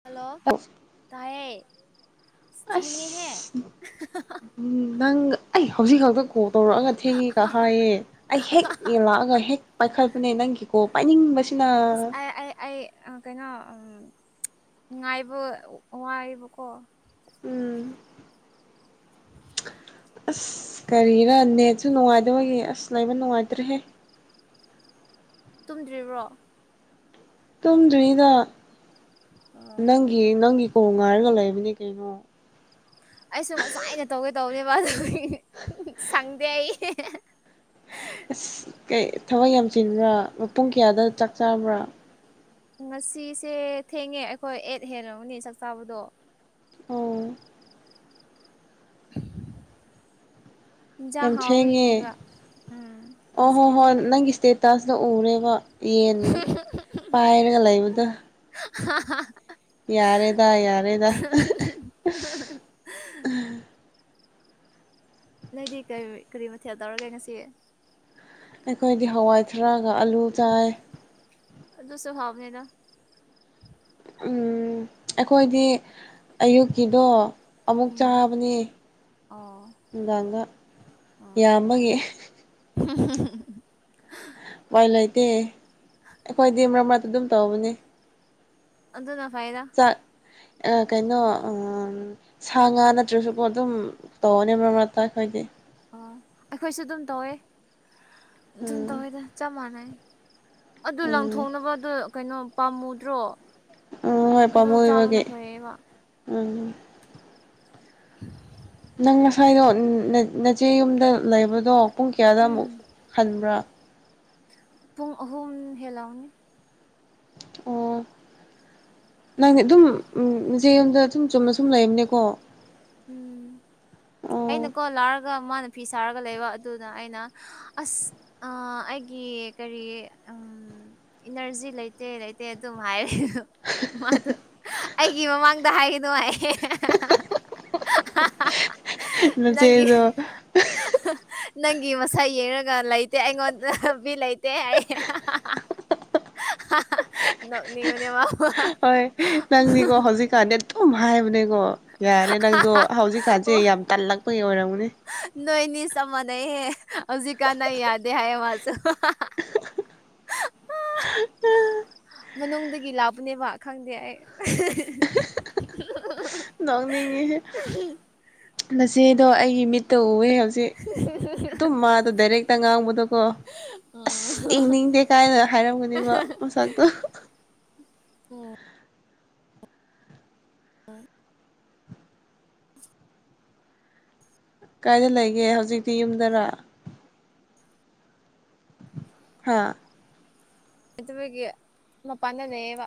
ꯆꯂꯣ ꯇ ꯑꯁ ꯎꯝ ꯅꯪ ꯑꯩ ꯍꯧꯖꯤꯛ ꯈꯛꯇ ꯀꯣꯜ ꯇꯧꯔꯛꯑꯒ ꯊꯦꯡꯉ ꯀ ꯍꯥꯏꯥꯏꯌꯦ ꯑꯩ ꯍꯦꯛ ꯌꯦꯜꯂꯛꯑꯒ ꯍꯦꯛ ꯄꯥꯏꯈꯠꯄꯅꯦ ꯅꯪꯒꯤꯀꯣ ꯄꯥꯏꯅꯤꯡꯕꯕꯁꯤ ꯑꯁ ꯑꯩ ꯑꯩ ꯑꯩ ꯀꯩꯅꯣ ꯉꯥꯏꯕ ꯋꯥꯥꯏꯕꯀꯣ ꯎꯝ ꯑꯁ ꯀꯔꯤꯔ ꯅꯦꯠꯁꯨ ꯅꯨꯡꯉꯥꯏꯗꯕꯒꯤꯦ ꯑꯁ ꯂꯩꯕ ꯅꯨꯡꯉꯥꯏꯇ꯭ꯔꯦꯍꯦ ꯇꯨꯝꯗ꯭ꯔꯤꯕ꯭ꯔꯣ ꯇꯨꯝꯗ꯭ꯣꯏꯔꯤꯗ ꯑꯣ ꯅꯪꯒꯤ ꯅꯪꯒꯤ ꯀꯣꯡ ꯉꯥꯏꯔꯒ ꯂꯩꯕꯅꯤ ꯀꯩꯅꯣ ꯑꯩꯁꯨ ꯉꯁꯥꯏ ꯑꯩꯅ ꯇꯧꯒꯦ ꯇꯧꯅꯦꯕ ꯑꯗꯨ ꯁꯪꯗꯦ ꯑꯩ ꯑꯁ ꯊꯕꯛ ꯌꯥꯝꯁꯤꯟꯕ꯭ꯔꯥ ꯃꯄꯨꯡ ꯀꯌꯥꯗ ꯆꯥꯛ ꯆꯥꯕ꯭ꯔꯥ ꯉꯁꯤꯁꯦ ꯊꯦꯡꯉꯦ ꯑꯩꯈꯣꯏ ꯑꯦꯠ ꯍꯦꯜꯂꯕꯅꯤ ꯆꯥꯛ ꯆꯥꯕꯗꯣ ꯑꯣ ꯎꯝ ꯏꯟꯖꯥꯡ ꯌꯥꯝ ꯊꯦꯡꯉꯦ ꯍꯥꯎꯋꯏꯅꯦꯕ ꯎꯝ ꯉꯁꯤꯗꯤ ꯊꯦꯡꯈ꯭ꯔꯦ ꯐꯖꯅ ꯎꯔꯦꯕ ꯌꯦꯟ ꯄꯥꯏꯔꯒ ꯂꯩꯕꯗ ꯍꯥ ꯍꯥ ꯌꯥꯔꯦꯗ ꯌꯥꯔꯦꯗ ꯂꯩꯗꯤ ꯀꯔꯤ ꯃꯊꯦꯜ ꯇꯧꯔꯒꯦ ꯉꯁꯤ ꯑꯩꯈꯣꯏꯗꯤ ꯍꯋꯥꯏ ꯊꯔꯥꯛꯒ ꯑꯥꯂꯨ ꯆꯥꯏ ꯑꯗꯨꯗ ꯁ꯭ꯚꯥꯕꯅꯦꯗ ꯎꯝ ꯑꯩꯈꯣꯏꯗꯤ ꯑꯌꯨꯛꯀꯤꯗꯣ ꯑꯃꯨꯛ ꯎꯝ ꯆꯥꯕꯅꯦ ꯑꯣ ꯅꯨꯡꯗꯥꯡꯒ ꯑꯣ ꯏꯕꯒꯤ [inaudible] ꯏ ꯂꯩꯇꯦ ꯑꯩꯈꯣꯏ ꯗ ꯃꯔ ꯃꯔꯠꯇ ꯑꯗꯨꯝ ꯇꯧꯕꯅꯦ ꯑꯗꯨꯗꯅ ꯐꯥꯏꯗ ꯀꯩꯅꯣ ꯁꯥ ꯉꯥ ꯅꯠꯇ꯭ꯔꯁꯨꯕꯨ ꯑꯗꯨꯝ ꯇꯧꯅꯦ ꯃꯔꯛ ꯃꯔꯛꯇ ꯑꯩꯈꯣꯏꯗꯤ ꯑꯣ ꯑꯩꯈꯣꯏꯁꯨ ꯑꯗꯨꯝ ꯇꯧꯋꯦ ꯑꯗꯨꯝ ꯎꯝ ꯇꯧꯋꯦꯗ ꯆꯞ ꯃꯥꯟꯅꯩ ꯑꯗꯨ ꯎꯝ ꯂꯪꯊꯣꯛꯅꯕ ꯑꯗꯨꯣ ꯀꯩꯅꯣ ꯄꯥꯝꯃꯨꯗ꯭ꯔꯣ ꯎꯝ ꯍꯣꯏ ꯑꯗꯨ ꯆꯥꯕꯅ ꯄꯥꯝꯃꯨꯕꯒꯤ ꯐꯩꯌꯦꯕ ꯎꯝ ꯎꯝ ꯅꯪ ꯉꯁꯥꯏꯗꯣ ꯅꯆꯦ ꯌꯨꯝꯗ ꯂꯩꯕꯗꯣ ꯄꯨꯡ ꯀꯌꯥꯗ ꯎꯝ ꯑꯃꯨꯛ ꯍꯟꯕ꯭ꯔꯥ ꯄꯨꯡ ꯑꯍꯨꯝ ꯍꯦꯜꯂꯥꯎꯅꯤ [unintelligible] ꯅꯪꯅꯦ ꯑꯗꯨꯝꯁꯦ ꯌꯨꯝꯝꯗ ꯑꯗꯨꯝ ꯆꯨꯝꯅ ꯁꯨꯝ ꯂꯩꯝꯅꯦꯀꯣ ꯎꯝ ꯑꯩꯅꯀꯣ ꯂꯥꯔꯒ ꯑꯗꯨꯒ ꯃꯥꯅ ꯐꯤ ꯁꯥꯔꯒ ꯂꯩꯕ ꯑꯗꯨꯅ ꯑꯩꯅ ꯑꯁ ꯑꯩꯒꯤ ꯀꯔꯤ ꯏꯅꯔꯖꯤ ꯂꯩꯇꯦ ꯂꯩꯇꯦ ꯑꯗꯨꯝ ꯍꯥꯏꯔꯦ ꯃꯥꯗꯨ ꯑꯩꯒꯤ ꯃꯃꯥꯡꯗ ꯍꯥꯏꯔꯤꯅꯅꯨꯡ ꯍꯥꯏꯥꯏ ꯅꯪꯒꯤ ꯅꯆꯦꯗꯣ ꯅꯪꯒꯤ ꯃꯁꯛ ꯌꯦꯡꯉꯒ ꯂꯩꯇꯦ ꯑꯩꯉꯣꯟꯗꯕꯤ ꯂꯩꯇꯦ ꯑꯩ ꯃꯅꯦ ꯃꯥ ꯍ ꯅꯪꯅꯤ ꯀꯣ ꯍꯖꯤꯀꯥꯗꯤ ꯑꯦꯝ ꯍꯥꯏꯥꯏ ꯃꯅꯦ ꯉꯣ ꯌꯥꯔꯦ ꯅꯪꯗꯣ ꯍꯧꯖꯤꯛꯀꯥꯟꯁꯦ ꯌꯥꯝ ꯇꯜꯂꯛꯄꯒꯤ ꯑꯣꯏꯔꯝꯃꯅꯦ ꯅꯣꯏꯅꯤ ꯆꯞ ꯃꯥꯟꯅꯩꯍꯦ ꯍꯧꯖꯤꯛꯀꯥꯟꯅ ꯌꯥꯗꯦ ꯍꯥꯏꯌꯦ ꯃꯥꯁꯨꯦ ꯃꯅꯨꯡꯗꯒꯤ ꯂꯥꯞꯄꯅꯦꯕ ꯈꯪꯗꯦ ꯑꯩ ꯅꯣꯛꯅꯤꯡꯉꯤ ꯃꯆꯦꯗꯣ ꯑꯩꯒꯤ ꯃꯤꯠꯇ ꯎꯋꯦ ꯑꯗꯨ ꯃꯥ ꯗꯗꯥꯏꯔꯦꯛꯇ ꯉꯥꯡꯕꯗ ꯀꯣ ꯑꯣ ꯑꯁ ꯌꯦꯡꯅꯤꯡꯗꯦ ꯀꯥꯏꯅ ꯍꯥꯏꯔꯝꯒꯅꯦꯕ ꯃꯁꯛꯇꯣ ꯍ ꯑꯣ ꯀꯥꯏꯗ ꯂꯩꯒꯦ ꯍꯧꯖꯤꯛꯇꯤ ꯌꯨꯝꯗꯔ ꯍꯥꯥ ꯄꯅꯅꯦꯦꯕ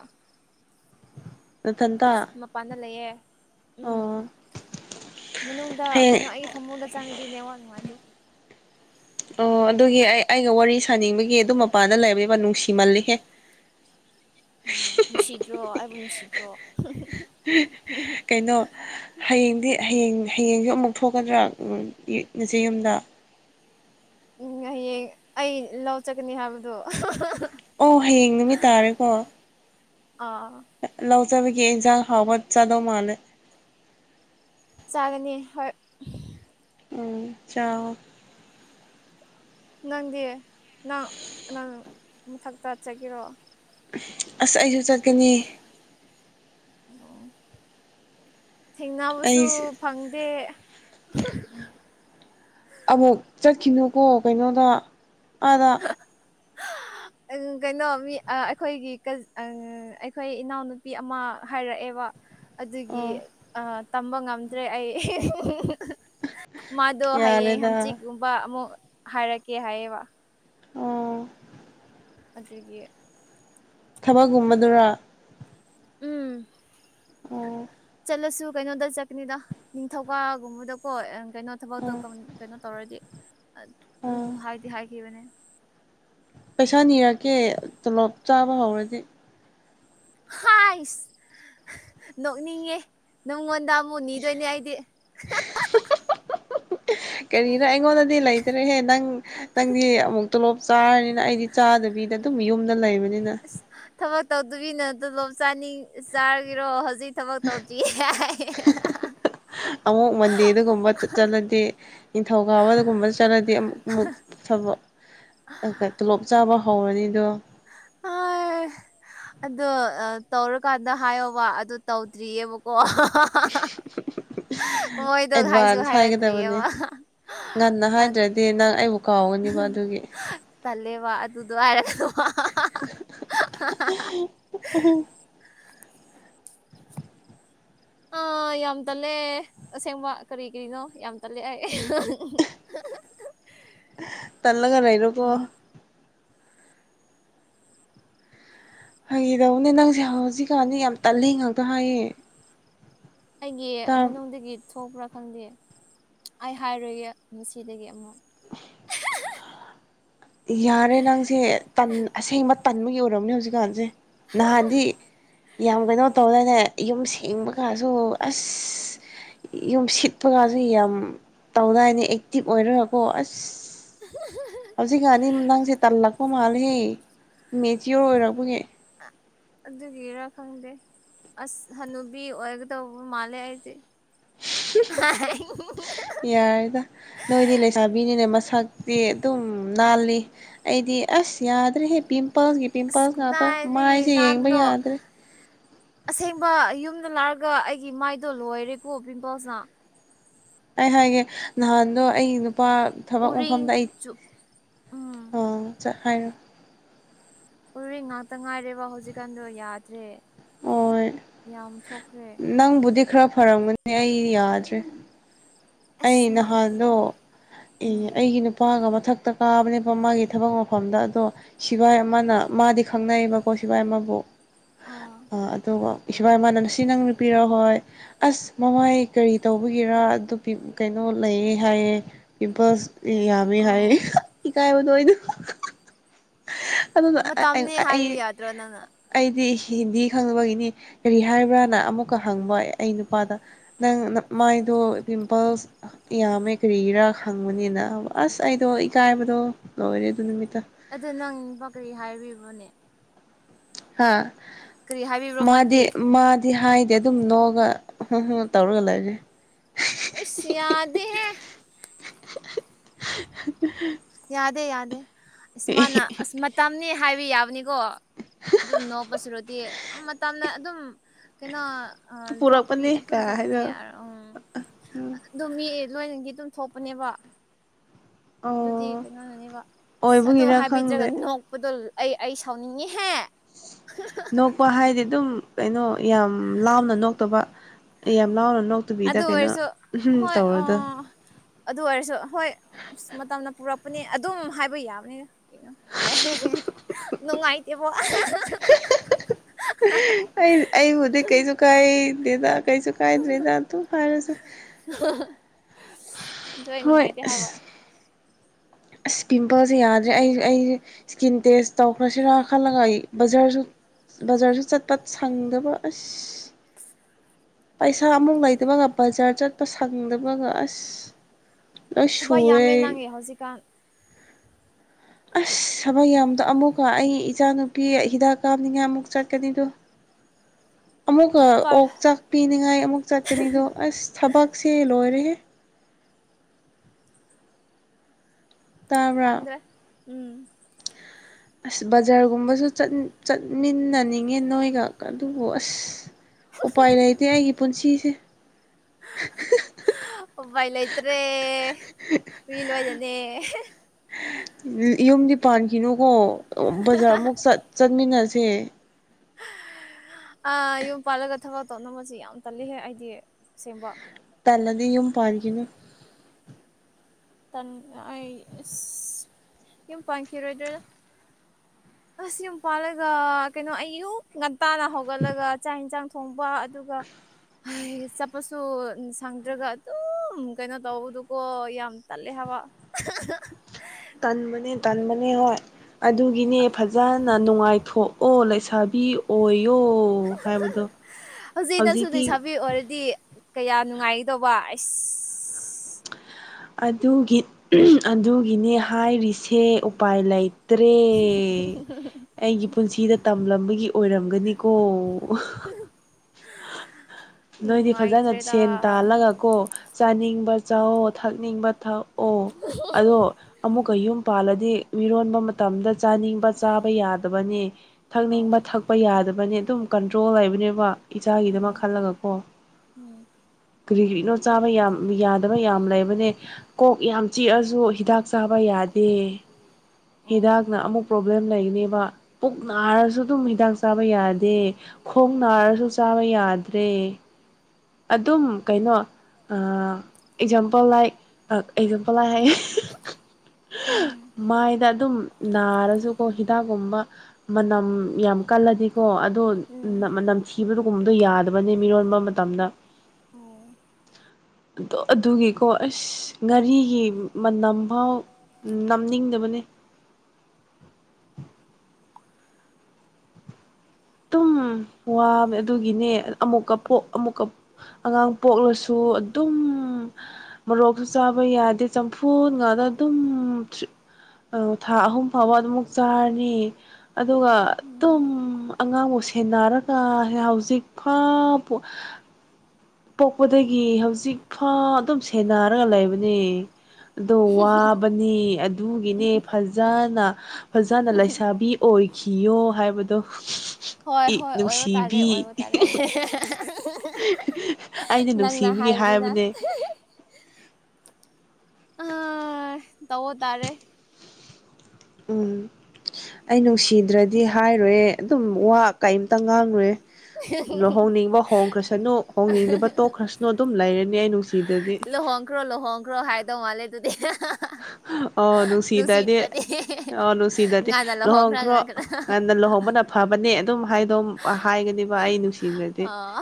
ꯅꯊꯟꯇ ꯏ ꯃꯄꯥꯟꯝꯗ ꯂꯩꯌꯦꯦ ꯎꯝ ꯑꯣ ꯃꯅꯨꯡꯗ ꯀꯩꯅꯣ ꯍꯌꯦꯡ ꯑꯩꯒꯤ ꯐꯃꯨꯡꯗ ꯆꯪꯉꯗꯤꯅꯦꯋꯥ ꯅꯨꯡꯉꯥꯏꯇꯦ ꯑꯣ ꯑꯗꯨꯒꯤ ꯑꯩ ꯑꯩꯒ ꯋꯥꯔꯤ ꯁꯥꯅꯤꯡꯕꯒꯤ ꯑꯗꯨꯝ ꯃꯄꯥꯟꯗ ꯂꯩꯕꯒꯤꯕ ꯅꯨꯡꯁꯤꯃꯜꯂꯤꯍꯦ ꯎꯝ ꯅꯨꯡꯁꯤꯗ꯭ꯔꯣ ꯑꯩꯕꯨ ꯅꯨꯡꯁꯤꯗ꯭ꯔꯣ ꯀꯩꯅꯣ ꯍꯌꯦꯡꯗꯤ ꯍꯌꯦꯡ ꯍꯌꯦꯡꯁꯨ ꯑꯃꯨꯛ ꯊꯣꯛꯀꯗ꯭ꯔꯥ ꯉꯁꯤ ꯌꯨꯝꯗ ꯎꯝ ꯍꯌꯦꯡ ꯑꯩ ꯂꯧ ꯆꯠꯀꯅꯤ ꯍꯥꯏꯕꯗꯣ ꯑꯣ ꯍꯌꯦꯡ ꯅꯨꯃꯤꯠ ꯇꯥꯔꯦꯀꯣ ꯑꯥ ꯒꯤ ꯑꯦꯖꯥꯡ ꯍꯋꯥꯠ ꯆꯥꯗꯣ ꯃꯥꯅꯦꯦ ꯆꯥꯒꯅꯤ ꯍꯣꯏ ꯎ ꯆꯥꯎ ꯅꯪꯗꯤ ꯅꯪ ꯅꯪ ꯃꯊꯛꯇ ꯆꯠꯒꯔꯣ ꯑꯁ ꯑꯩꯁꯨ ꯆꯠꯀꯅꯤ ꯑꯣ ꯑꯩ ꯊꯦꯡꯅꯕꯁꯨ ꯐꯪꯗꯦ ꯀꯅꯣꯀꯣ ꯀꯩꯅꯣꯗ ꯑꯥꯗ ꯑ ꯀꯩꯅꯣ ꯃꯤ ꯑꯩꯈꯣꯏꯒꯤ ꯑꯩꯈꯣꯏ ꯏꯅꯥꯎꯅꯨꯄꯤ ꯑꯃ ꯍꯥꯏꯔꯛꯑꯦꯕ ꯑꯗꯨꯒꯤ ꯑꯣ ꯇꯝꯕ ꯉꯝꯗ꯭ꯔꯦ ꯑꯩ ꯃꯥꯗꯣ ꯍꯌꯦꯡ ꯌꯥꯔꯦꯗ ꯍꯪꯆꯤꯛꯀꯨꯝꯕ ꯑꯃꯨꯛ ꯍꯥꯏꯔꯛꯀꯦ ꯍꯥꯏꯌꯦꯕ ꯑꯣ ꯑꯗꯨꯗꯒꯤ ꯊꯕꯛꯒꯨꯝꯕꯗꯨꯔ ꯎꯝ ꯑꯣ ꯆꯠꯂꯁꯨ ꯀꯩꯅꯣꯗ ꯆꯠꯀꯅꯤꯗ ꯅꯤꯡꯊꯧꯀꯥꯒꯨꯝꯕꯗꯀꯣ ꯀꯩꯅꯣ ꯊꯕꯛꯇꯣ ꯑꯣ ꯀꯩꯅꯣ ꯇꯧꯔꯗꯤ ꯑꯗꯨ ꯑꯣ ꯍꯥꯏꯗꯤ ꯍꯥꯏꯈꯤꯕꯅꯦ ꯄꯩꯁꯥ ꯅꯤꯔꯛꯀꯦ ꯇꯣꯂꯣꯞ ꯆꯥꯕ ꯍꯧꯔꯗꯤ ꯍꯥꯏꯁ ꯅꯣꯛꯅꯤꯡꯉꯦ ꯅꯪꯉꯣꯟꯗ ꯃꯨꯅꯤꯗꯣꯏꯅꯥꯏꯗꯤ ꯀꯔꯤꯅꯣ ꯑꯩꯉꯣꯟꯗꯗꯤ ꯂꯩꯇ꯭ꯔꯦꯍꯦ ꯅꯪ ꯅꯪꯗꯤ ꯑꯃꯨꯛ ꯇꯣꯂꯣꯞ ꯆꯥꯔꯅꯤꯅ ꯑꯩꯗꯤ ꯆꯥꯗꯕꯤꯗ ꯃꯤꯌꯨꯝꯗ ꯂ ꯑ ꯊꯕꯛ ꯇꯧꯗꯕꯤꯅ ꯑꯗꯨ ꯂꯣꯞ ꯆꯥꯅꯤꯡ ꯆꯥꯔꯒꯤꯔꯣ ꯍꯧꯖꯤꯛ ꯊꯕꯛ ꯇꯧꯖꯤ ꯌꯥ ꯑꯃꯨꯛ ꯃꯟꯗꯦ ꯑꯗꯨꯒꯨꯝꯕ ꯆꯠꯂꯗꯤ ꯅꯤꯡꯊꯧꯀꯥꯕ ꯑꯗꯨꯒꯨꯝꯕ ꯆꯠꯂꯗꯤ ꯑꯃꯨꯛ ꯇꯣꯂꯣꯞ ꯆꯥꯕ ꯍꯧꯔꯅꯤꯗꯣ ꯑꯥ ꯑꯗꯣ ꯇꯧꯔꯀꯥꯟꯗ ꯍꯥꯏꯌꯣꯕ ꯑ ꯇꯧꯗ꯭ꯔꯤꯌꯦꯕꯀꯣ ꯃꯣꯏꯗꯣ ꯍꯥꯏꯁꯨ ꯑꯦꯠꯚꯥꯟꯁ ꯍꯥꯏꯒꯗꯕꯅꯦ ꯍꯥꯏꯔꯛꯇ꯭ꯔꯤꯑꯕ ꯉꯟꯅ ꯑ, ꯍꯥꯏꯗ꯭ꯔꯗꯤ ꯅꯪ ꯑꯩꯕꯨ ꯀꯥꯎꯒꯅꯦꯕ ꯑꯗꯨꯒꯤ ꯑꯗꯨꯗ ꯍꯥꯏꯔ ꯎ ꯑ ꯌꯥꯝ ꯇꯜꯂꯦ ꯑꯁꯦꯡꯕ ꯀꯔꯤ ꯀꯔꯤꯅꯣ ꯌꯥꯝ ꯇꯜꯂꯦ ꯑꯩ [unintelligible] ꯑꯗꯨꯒꯕꯨꯣ ꯍꯗꯧꯅꯦ ꯅꯪꯁꯦ ꯍꯧꯖꯤꯛꯀꯥꯟꯅꯤ ꯌꯥꯝ ꯇꯜꯂꯤ ꯉꯥꯛꯇ ꯍꯥꯏꯌꯦ ꯑꯩꯒꯤ ꯇꯥ ꯃꯅꯨꯡꯗꯒꯤ ꯊꯣꯛꯄ꯭ꯔꯥ ꯈꯪꯗꯦ ꯑꯩ ꯍꯥꯏꯔꯣꯏꯒꯦ ꯃꯁꯤꯁꯤꯗꯒꯤ ꯑꯃꯨꯛ [unintelligible] ꯌꯥꯔꯦ ꯅꯪꯁꯦ ꯑꯁꯦꯡꯕ ꯇꯟꯕꯒꯤ ꯑꯣꯏꯔꯝꯅꯦ ꯍꯧꯖꯤꯛꯀꯥꯟꯁꯦ ꯅꯍꯥꯟꯗꯤ ꯌꯥꯝ ꯀꯩꯅꯣ ꯇꯧꯗꯅ ꯌꯨꯝ ꯁꯦꯡꯕ ꯀꯥꯟꯁꯨ ꯑꯁ ꯌꯨꯝ ꯁꯤꯠꯄꯒꯁꯨ ꯌꯥꯝ ꯇꯧꯗꯥꯏꯅꯦ ꯑꯦꯛꯇꯤꯚ ꯑꯣꯏꯔꯒꯀꯣ ꯑꯁ [unintelligible] ꯍꯧꯖꯤꯛꯒꯥꯥꯟꯗꯤ ꯅꯪꯁꯦ ꯇꯜꯂꯛꯄ ꯃꯥꯜꯂꯦꯍꯦ ꯃꯦꯆꯤꯌꯣꯔ ꯑꯣꯏꯔꯛꯄꯒꯤ ꯑꯗꯨꯒꯤꯔꯥ ꯈꯪꯗꯦ ꯑꯁ ꯍꯅꯨꯕꯤ ꯑꯣꯏꯒꯗꯧꯕ ꯃꯥꯜꯂꯦ ꯑꯩꯗꯤ ꯌꯥꯔꯦꯗ ꯅꯣꯏꯗꯤ ꯂꯩꯁꯥꯕꯤꯅꯤꯅꯦ ꯃꯁꯛ ꯑꯗꯨꯝ ꯅꯥꯜꯂꯤ ꯑꯩꯗꯤ ꯑꯁ ꯌꯥꯗ꯭ꯔꯦ ꯍꯦ ꯄꯤꯝ ꯄꯤꯝꯄꯜꯒꯤ ꯑꯁ ꯄꯤꯝꯄꯜꯁ ꯉꯥꯛꯇ ꯀꯗꯥꯏꯗꯒꯤ ꯃꯥꯏꯁꯦ ꯌꯦꯡꯕ ꯅꯥꯟꯕꯅꯣ ꯌꯥꯗ꯭ꯔꯦ ꯑꯁꯦꯡꯕ ꯌꯨꯝꯗ ꯂꯥꯛꯑꯒ ꯑꯩꯒꯤ ꯃꯥꯏꯗꯣ ꯂꯣꯏꯔꯦꯀꯣ ꯄꯤꯝꯄꯜꯁꯅ ꯑꯩ ꯍꯥꯏꯦ ꯅꯗꯨ ꯑꯩ ꯂꯄꯥ ꯊꯕꯛ ꯎꯔꯤꯡ ꯃꯐꯝꯗ ꯑꯩ ꯆꯨ ꯎꯝ ꯑ ꯍꯥꯏꯔꯣ ꯎꯦ ꯉꯥꯛꯇ ꯉꯥꯏꯔꯦꯕ ꯍꯧꯖꯤꯛꯀꯥꯟꯗꯣ ꯌꯥꯗ꯭ꯔꯦ ꯑꯣ ꯌꯥꯝ ꯊꯣꯛꯈ꯭ꯔꯦ ꯅꯪ ꯕꯨꯗꯤ ꯈꯔꯥꯞ ꯐꯔꯝꯒꯅꯤ ꯑꯩ ꯌꯥꯗ꯭ꯔꯦ ꯑꯩ ꯑꯁ ꯅꯪ ꯅꯍꯥꯟꯗꯣ ꯎꯗꯕꯩꯅꯦ ꯑꯦ ꯎꯝ ꯑꯩꯒꯤ ꯅꯨꯄꯥꯒ ꯃꯊꯛ ꯀꯛꯇ ꯀꯥꯕꯅꯦꯕ ꯃꯥꯒꯤ ꯊꯕꯛ ꯃꯐꯝꯗ ꯑꯗꯣ ꯁꯤꯕꯥꯏ ꯑꯃꯅ ꯃꯥꯗꯤ ꯈꯪꯅꯩꯌꯦꯕꯀꯣ ꯁꯤꯕꯥꯏ ꯑꯃꯕꯨ ꯑꯥ ꯑꯗꯨꯒ ꯏꯕꯥ ꯏꯃꯅꯅꯁꯤ ꯅꯪ ꯅꯨꯄꯤꯔꯛꯍꯣꯏ ꯑꯁ ꯃꯃꯥꯏ ꯀꯔꯤ ꯇꯧꯕꯒꯤꯔ ꯑꯗꯨ ꯀꯩꯅꯣ ꯂꯩꯌꯦ ꯍꯥꯏꯌꯦꯦ ꯄꯤꯝꯄꯜꯁ ꯌꯥꯝꯃꯦ ꯍꯥꯏꯌꯦꯦ ꯑꯥ ꯏꯀꯥꯏꯕ ꯑꯗꯨ ꯑꯗꯨꯅ ꯃꯇꯝꯅꯤ ꯑꯩ ꯍꯥꯏꯕ ꯌꯥꯗ꯭ꯔꯣ ꯅꯪꯅ ꯑꯩꯗꯤ ꯍꯤꯟꯗꯤ ꯈꯪꯅꯕꯒꯤꯅꯤ ꯀꯔꯤ ꯍꯥꯏꯕ꯭ꯔꯥꯅ ꯑꯃꯨꯛꯀ ꯍꯪꯕ ꯑꯩ ꯅꯨꯄꯥꯗ ꯅꯪ ꯃꯥꯏꯗꯣ ꯄꯤꯝꯄꯜꯁ ꯌꯥꯝꯃꯦ ꯀꯔꯤꯔꯥ ꯈꯪꯕꯅꯤꯅ ꯑꯁ ꯑꯩꯗꯣ ꯏꯀꯥꯏꯕꯗꯣ ꯂꯣꯏꯔꯦ ꯑꯗꯨ ꯅꯨꯃꯤꯠꯇ ꯑ ꯅꯪ ꯀꯔꯤ ꯍꯥꯏꯔꯤꯕꯅꯦ ꯍꯥ ꯃꯥꯗꯤ ꯃꯥꯗꯤ ꯍꯥꯏ ꯁꯤ ꯑꯗꯨꯝ ꯅꯣꯛꯑꯒ ꯇꯧꯔꯒ ꯂꯩꯁꯦ ꯑꯩꯁꯤ ꯌꯥꯗ ꯍꯥꯏ [unintelligible] ꯌꯥꯗꯦ ꯌꯥꯗꯦ ꯏꯁꯃꯥꯅ ꯑꯁ ꯃꯇꯝꯅꯤ ꯍꯥꯏꯕ ꯌꯥꯕꯅꯤ ꯀꯣ ꯑꯗꯨꯝ ꯅꯣꯛꯄꯁꯤꯔꯗꯤ ꯃꯇꯝꯅ ꯑꯗꯨꯝ ꯀꯩꯅꯣ ꯑ ꯊꯣꯛꯄꯒꯤ ꯄꯨꯔꯛꯄꯅꯦ ꯑꯗꯨꯝ ꯀꯥ ꯊꯣꯛꯄꯅꯦ ꯍꯥꯏꯔ ꯌꯥꯔꯣ ꯎꯝ ꯑꯗꯨ ꯂꯣꯏꯅꯒꯤ ꯑꯗꯨꯝ ꯊꯣꯛꯄꯅꯦꯕ ꯑꯗꯨꯗꯤ ꯑꯣ ꯀꯩꯅꯣꯅꯅꯦꯕ ꯑ ꯑꯗꯨꯣ ꯑꯣꯏꯕꯒꯤꯔ ꯍꯥꯏꯕꯤꯗ꯭ꯔꯒ ꯈꯪꯗꯦ ꯅꯣꯛꯄꯗꯣ ꯑꯩ ꯑꯩ ꯁꯥꯎꯅꯤꯡꯉꯤꯍꯦ ꯅꯣꯛꯄ ꯍꯥꯏꯗꯤ ꯑꯗꯨꯝ ꯀꯩꯅꯣ ꯌꯥꯝ ꯂꯥꯎꯅ ꯅꯣꯛꯇꯕ ꯌꯥꯝ ꯂꯥꯎꯅ ꯅꯥꯣꯛꯇꯨꯕꯤꯗ ꯑꯗꯨ ꯀꯩꯅꯣ ꯑꯣꯏꯔꯁꯨ ꯎꯝ ꯍꯣꯏ ꯑ ꯇꯧꯔꯗ ꯑꯗꯨ ꯑꯣꯏꯔꯁꯨ ꯍꯣꯏ ꯑ ꯃꯇꯝꯅ ꯄꯨꯔꯛꯄꯅꯤ ꯑꯗꯨꯝ ꯍꯥꯏꯕ ꯌꯥꯕꯅꯤ ꯀꯣ ꯑꯦ ꯅꯨꯡꯉꯥꯏꯇꯦꯕꯣ ꯑꯩ ꯑꯩ ꯍꯧꯨꯗꯤ ꯀꯩ ꯆꯨꯀꯥꯏꯗ ꯀꯩꯁꯨ ꯀꯥꯏꯗꯔꯤꯗ ꯇꯨ ꯐꯥꯏꯔꯁꯨ ꯣꯏ ꯅꯨꯡꯉꯥꯏꯇꯦ ꯍꯥꯏꯕ ꯑꯁ ꯑꯁ ꯄꯤꯝꯄꯜꯁꯦ ꯌꯥꯗ꯭ꯔꯦ ꯑꯩ ꯑꯩ ꯏꯁꯀꯤꯟ ꯇꯦꯁ ꯇꯧꯈ꯭ꯔꯁꯤꯔ ꯈꯜꯂꯉ ꯑꯩ ꯕꯖꯥꯔꯁꯨ ꯕꯖꯥꯔꯁꯨ ꯆꯠ ꯇꯠ ꯁꯪꯗꯕ ꯑꯁ ꯄꯩꯁꯥ ꯑꯃꯨꯛ ꯂꯩꯇꯕꯒ ꯕꯖꯥꯔ ꯆꯠꯄ ꯁꯪꯗꯕꯒ ꯑꯁ ꯊꯕꯛ ꯁꯨꯋꯦ ꯌꯥꯝꯃꯦ ꯅꯪꯒꯤ ꯍꯧꯖꯤꯛꯀꯥꯟ ꯑꯁ ꯊꯕꯛ ꯌꯥꯝꯗꯣ ꯑꯃꯨꯛꯀ ꯑꯩ ꯏꯆꯥ ꯅꯨꯨꯄꯤ ꯍꯤꯗꯥꯛ ꯀꯥꯞꯅꯤꯡꯉꯥꯏ ꯑꯃꯨꯛ ꯆꯠꯀꯅꯤꯗꯣ [inaudible] ꯑꯃꯨꯛꯀ ꯀꯥꯏ ꯑꯣꯛ ꯆꯥꯛ ꯄꯤꯅꯤꯡꯉꯥꯏ ꯑꯃꯨꯛ ꯆꯠꯀꯅꯤꯗꯣ ꯑꯁ ꯊꯕꯛꯁꯦ ꯂꯣꯏꯔꯦꯍꯦ ꯇꯔꯥ ꯈꯪꯗ꯭ꯔꯦ ꯎꯝ ꯑꯁ ꯕꯖꯥꯔꯒꯨꯝꯕꯁꯨ ꯆꯠꯃꯤꯟꯅꯅꯤꯡꯉꯦ ꯅꯣꯏꯒ ꯑꯗꯨꯕꯨ ꯑꯁ ꯎꯄꯥꯏ ꯂꯩꯇꯦ ꯑꯩꯒꯤ ꯄꯨꯟꯁꯤꯁꯦ [inaudible] ꯎꯚꯏ ꯂꯩꯇ꯭ꯔꯦ ꯃꯤ ꯂꯣꯏꯗꯅꯦ ꯌꯨꯝꯗꯤ ꯄꯥꯟꯈꯤꯅꯨꯀꯣ ꯕꯖꯥꯔꯃꯨꯛ ꯆꯠꯃꯤꯟꯅꯁꯦ [unintelligible] ꯑ ꯌꯨꯝ ꯄꯥꯜꯂꯒ ꯊꯕꯛ ꯇꯧꯅꯕꯁꯤ ꯌꯥꯝ ꯇꯜꯂꯤꯍꯦ ꯑꯩꯗꯤ ꯑꯁꯦꯡꯕ ꯇꯂꯥꯗꯤ ꯌꯨꯝ ꯄꯥꯒꯅ ꯑꯩ ꯌꯨꯝ ꯄꯪꯈꯤꯔꯣꯏꯗ꯭ꯔ ꯑꯁ ꯌꯨꯝ ꯄꯂꯒ ꯀꯩꯅꯣ ꯑꯨ ꯇꯥꯅ ꯍꯧꯒꯠꯂꯒ ꯆꯥꯛ ꯏꯟꯁꯥꯡ ꯊꯣꯡꯕ ꯑꯗꯨꯒ ꯆꯠꯄꯁꯨ ꯁꯪꯗ꯭ꯔꯒ ꯑꯗꯨꯝ ꯀꯩꯅꯣ ꯇꯧꯕꯗꯨꯀꯣ ꯌꯥꯝ ꯇꯜꯦ ꯍꯥꯕ ꯇꯟꯕꯅꯦ ꯇꯟꯕꯅꯦ ꯍꯣꯏ ꯑꯗꯨꯒꯤꯅꯦ ꯐꯖꯅ ꯅꯨꯡꯉꯥꯏꯊꯣꯛꯑꯣ ꯂꯩꯁꯥꯕꯤ ꯑꯣꯏ ꯑꯣꯣ ꯍꯥꯏꯕꯗꯣ ꯍꯧꯖꯤꯛ ꯅꯪꯁꯨ ꯍꯧꯖꯤꯛꯇꯤ ꯂꯩꯁꯥꯕꯤ ꯑꯣꯏꯔꯗꯤ ꯀꯌꯥ ꯅꯨꯡꯉꯥꯏꯒꯗꯧꯕ ꯑꯩ ꯑꯗꯨꯒꯤ ꯑꯗꯨꯒꯤꯅꯦ ꯍꯥꯏꯔꯤꯁꯦ ꯎꯄꯥꯏ ꯂꯩꯇ꯭ꯔꯦ ꯑꯩꯒꯤ ꯄꯨꯟꯁꯤꯗ ꯇꯝꯂꯝꯕꯒꯤ ꯑꯣꯏꯔꯝꯒꯅꯤꯀꯣ ꯎꯝ ꯅꯣꯏꯗꯤ ꯐꯖꯅ ꯁꯦꯟ ꯇꯥꯜꯂꯒ ꯀꯣ ꯆꯥꯅꯤꯡꯕ ꯆꯥꯑꯣꯣ ꯊꯛꯅꯤꯡꯕ ꯊꯛꯑꯣ ꯑꯗꯣ ꯑꯃꯨꯛꯀ ꯌꯨꯝ ꯄꯥꯜꯂꯗꯤ ꯃꯤꯔꯣꯟꯕ ꯃꯇꯝꯗ ꯆꯥꯅꯤꯡꯕ ꯆꯥꯕ ꯌꯥꯗꯕꯅꯤ ꯊꯛꯅꯤꯡꯕ ꯑꯣ ꯊꯛꯄ ꯌꯥꯗꯕꯅꯤ ꯑꯗꯨꯝ ꯀꯟꯇ꯭ꯔꯣꯜ ꯍꯥꯏꯕꯅꯦꯕ ꯏꯆꯥꯒꯤꯗꯃꯛ ꯎꯝ ꯈꯜꯂꯒꯀꯣ ꯎꯝ ꯀꯔꯤ ꯀꯔꯤꯅꯣ ꯆꯥꯕ ꯌꯥꯝ ꯂꯩꯕꯅꯦ ꯀꯣꯛ ꯌꯥꯝ ꯆꯤꯛꯑꯁꯨ ꯍꯤꯗꯥꯛ ꯆꯥꯕ ꯌꯥꯗꯦ ꯑꯣ ꯍꯤꯗꯥꯛꯅ ꯑꯃꯨꯛ ꯄ꯭ꯔꯣꯕ꯭ꯂꯦꯝ ꯂꯩꯒꯅꯦꯕ ꯄꯨꯛ ꯅꯥꯔꯁꯨ ꯑꯗꯨꯝ ꯍꯤꯗꯥꯛ ꯆꯥꯕ ꯌꯥꯗꯦ ꯈꯣꯡ ꯅꯥꯔꯁꯨ ꯆꯥꯕ ꯌꯥꯗ꯭ꯔꯦ ꯑꯗꯨꯝ ꯀꯩꯅꯣ ꯑ ꯑꯦꯛꯖꯥꯝꯄꯜ ꯂꯥꯏ ꯑꯦꯛꯖꯥꯝꯄꯜ ꯂ ꯎꯝ ꯃꯥꯏꯗ ꯑꯗꯨꯝ ꯅꯥꯔꯁꯨꯀꯣ ꯍꯤꯗꯥꯛ ꯃꯅ ꯌꯥꯝ ꯀꯂꯗꯤꯣ ꯑ ꯎꯝ ꯃꯅꯝ ꯊꯤꯕꯗ ꯨꯝꯕꯗꯣ ꯌꯥꯗꯕꯅꯤ ꯃꯤꯔꯣꯟꯕ ꯃꯇꯝꯗ ꯑꯣ ꯑꯗꯣ ꯑꯗꯨꯒꯤꯀꯣ ꯑꯁ ꯉꯥꯔꯤꯒꯤ ꯃꯅꯝꯐꯥꯎ ꯎ ꯅꯝꯅꯤꯡꯗꯕꯅꯦ [unintelligible] ꯑꯗꯨꯝ ꯋꯥꯃꯦ ꯑꯗꯨꯒꯤꯅꯦ ꯑꯃꯨꯛꯀ ꯑꯃꯨꯛꯀ ꯑꯉꯥꯡ ꯄꯣꯛꯂꯁꯨ ꯑꯗꯨꯝ ꯃꯣꯔꯣꯛꯁꯨ ꯆꯥꯕ ꯌꯥꯗꯦ ꯆꯝꯐꯨ ꯉꯥꯛꯗ ꯑꯗꯨꯝ ꯊꯥ ꯑꯍꯨꯝ ꯐꯥꯎꯕ ꯑꯗꯨꯝꯛ ꯆꯥꯔꯅꯤ ꯑꯗꯨꯒ ꯑꯗꯨꯝ ꯎꯝ ꯑꯉꯥꯡꯕꯨ ꯁꯦꯟꯅꯔꯒ ꯍꯧꯖꯤꯛ ꯐ ꯄꯣꯛꯄꯗꯒꯤ ꯍꯧꯖꯤꯛ ꯐ ꯑꯗꯨꯝ ꯁꯦꯟꯅꯔꯒ ꯂꯩꯕꯅꯤ ꯑꯗꯣ ꯋꯥꯕꯅꯤ ꯑꯗꯨꯒꯤꯅꯦ ꯐꯖꯅ ꯐꯖꯅ ꯂꯩꯁꯥꯕꯤ ꯑꯣꯏꯈꯤꯌꯣ ꯍꯥꯏꯕꯗꯣ ꯍꯣꯏ ꯏ ꯍꯣꯏ ꯑꯣꯏꯕ ꯇꯥꯔꯦ ꯅꯨꯡꯁꯤꯕꯤ ꯑꯣꯏꯕ ꯇꯥꯔꯦ ꯑꯩꯅ ꯅꯪꯅ ꯅꯨꯡꯁꯤꯕꯒꯤ ꯍꯥꯏꯕꯅꯤꯅ ꯍꯥꯏꯕꯅꯦ ꯑꯝ ꯇꯧꯕ ꯇꯥꯔꯦ ꯎꯝ ꯑꯩ ꯅꯨꯡꯁꯤꯗ꯭ꯔꯗꯤ ꯍꯥꯏꯔꯣꯏꯦ ꯑꯗꯨꯝ ꯋꯥ ꯀꯩꯝꯇ ꯉꯥꯡꯂꯨꯔꯦ ꯂꯨꯍꯣꯡꯅꯤꯡꯕ ꯍꯣꯡꯈ꯭ꯔꯁꯅꯨ ꯍꯣꯡꯅꯤꯡꯗꯕ ꯇꯣꯛꯈ꯭ꯔꯁꯅꯨ ꯑꯗꯨꯝ ꯂꯩꯔꯅꯤ ꯑꯩ ꯅꯨꯡꯁꯤꯗꯗꯤ ꯂꯨꯍꯣꯡꯈ꯭ꯔꯣ ꯂꯨꯍꯣꯡꯈ꯭ꯔꯣ ꯍꯥꯏꯗꯧ ꯃꯥꯜꯂꯦ ꯑꯗꯨꯗꯤ ꯑ ꯅꯨꯡꯁꯤꯗꯗꯤ ꯅꯨꯡꯁꯤꯗ꯭ꯔꯗꯤ ꯑꯣ ꯅꯨꯡꯁꯤꯗꯗꯤ ꯉꯥꯟꯅ ꯂꯨꯍꯣꯡꯈ꯭ꯔ ꯂꯨꯍꯣꯡꯈ꯭ꯔꯣ ꯉꯥꯟꯈ꯭ꯔ ꯉꯅ ꯂꯨꯍꯣꯡꯕꯅ ꯐꯕꯅꯦ ꯑꯗꯨꯝ ꯍꯥꯏ ꯑꯗꯨꯝ ꯍꯥꯏꯒꯅꯦꯕ ꯑꯩ ꯅꯨꯡꯁꯤꯗ꯭ꯔꯗꯤ ꯑꯣ